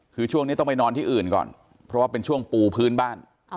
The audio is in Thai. คือช่วงนี้ต้องไปนอนที่อื่นก่อนเพราะว่าเป็นช่วงปูพื้นบ้าน